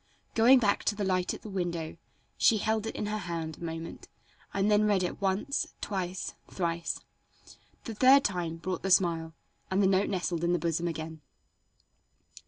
Going back to the light at the window, she held it in her hand a moment and then read it once, twice, thrice. The third time brought the smile, and the note nestled in the bosom again.